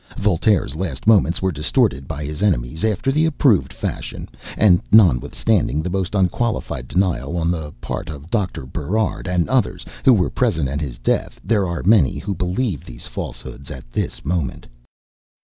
Voltaire's last moments were distorted by his enemies after the approved fashion; and notwithstanding the most unqualified denial on the part of Dr. Burard and others, who were present at his death, there are many who believe these falsehoods at this moment.